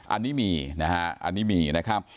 อันนี้มีนะครับ